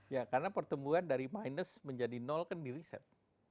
ya karena pertumbuhan dari minus menjadi nol kan di riset